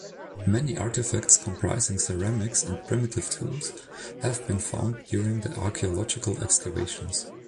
Many artifacts, comprising ceramics and primitive tools, have been found during the archaeological excavations.